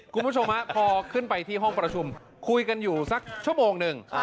คุณผู้ชมพอขึ้นไปที่ห้องประชุมคุยกันอยู่สักชั่วโมงหนึ่ง